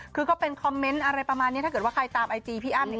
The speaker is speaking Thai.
คือก็เป็นคอมเมนต์อะไรประมาณนี้ถ้าเกิดว่าใครตามไอจีพี่อ้ำเนี่ย